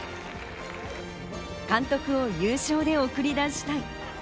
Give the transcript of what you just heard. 監督を優勝で送り出したい。